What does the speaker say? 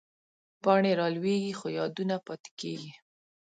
پاڼې رالوېږي، خو یادونه پاتې کېږي